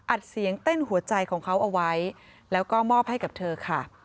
เสียงเต้นหัวใจของเขาเอาไว้แล้วก็มอบให้กับเธอค่ะ